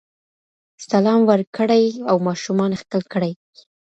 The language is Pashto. سلام ورکړئ او ماشومان ښکل کړئ.